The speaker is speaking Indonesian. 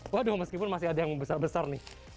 waduh meskipun masih ada yang besar besar nih